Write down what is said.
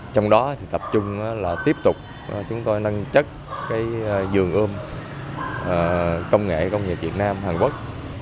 trong đó tập trung là tiếp tục chúng tôi nâng chất dường ươm công nghệ việt nam hàn quốc